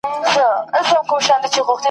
لار دي را وښیه بیابانه پر ما ښه لګیږي ..